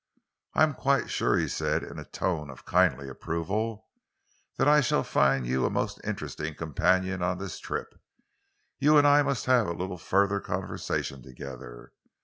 "I am quite sure," he said, in a tone of kindly approval, "that I shall find you a most interesting companion on this trip. You and I must have a little further conversation together.